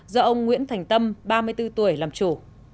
do ông nguyễn thành tâm ba mươi bốn tuổi làm chủ